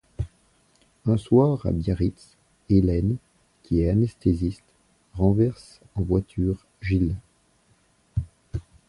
Un soir à Biarritz, Hélène, qui est anesthésiste, renverse en voiture Gilles.